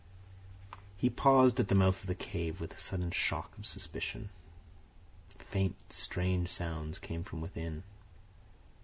He paused at the mouth of the cave with a sudden shock of suspicion. Faint, strange sounds came from within.